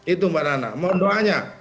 itu mbak nana mohon doanya